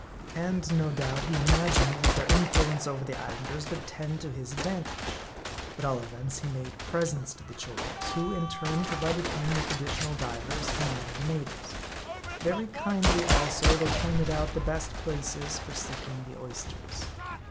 And, no doubt, he imagined that their influence over the Islanders would tend to his advant age. At all events, he made presents to the Cholos ; who, in turn, provided him with additional divers from among the natives. Very kindly, also, they pointed out the best places for seeking the oysters.